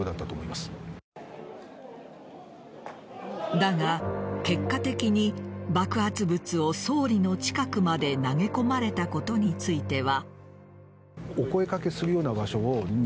だが、結果的に爆発物を総理の近くまで投げ込まれたことについては。